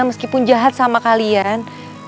meskipun jahat sama kalian